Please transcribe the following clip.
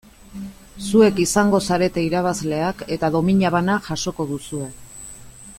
Zuek izango zarete irabazleak eta domina bana jasoko duzue.